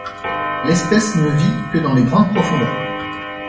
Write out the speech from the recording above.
L'espèce ne vit que dans les grandes profondeurs.